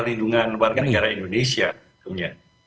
pelindungan warga negara indonesia kemudian